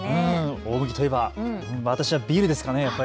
大麦といえば私はビールですかね。